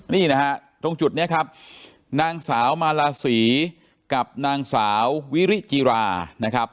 นี่นะฮะตรงจุดนี้ครับนางสาวมาลาศรีกับนางสาววิริจิรานะครับ